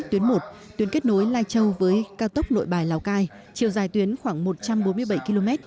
tuyến một tuyến kết nối lai châu với cao tốc nội bài lào cai chiều dài tuyến khoảng một trăm bốn mươi bảy km